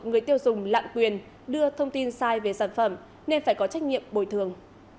người tiêu dùng lạng quyền đưa thông tin sai về sản phẩm nên phải có trách nhiệm bồi thường